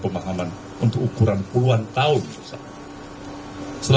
dalam kunjung di dunia bebol